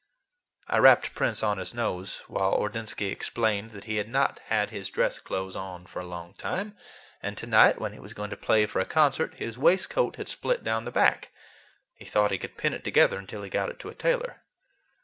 I rapped Prince on the nose, while Ordinsky explained that he had not had his dress clothes on for a long time, and to night, when he was going to play for a concert, his waistcoat had split down the back. He thought he could pin it together until he got it to a tailor.